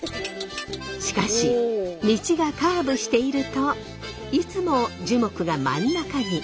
しかし道がカーブしているといつも樹木が真ん中に。